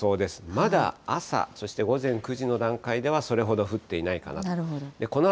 まだ朝、そして午前９時の段階では、それほど降っていないかなと。